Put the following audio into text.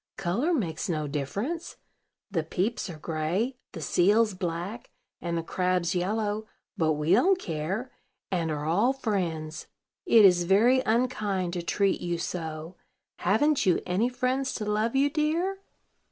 "Color makes no difference; the peeps are gray, the seals black, and the crabs yellow; but we don't care, and are all friends. It is very unkind to treat you so. Haven't you any friends to love you, dear?"